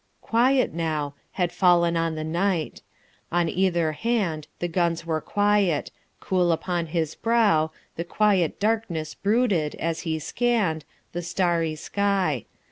Quiet now Had fallen on the night. On either hand The guns were quiet. Cool upon his brow The quiet darkness brooded, as he scanned The starry sky.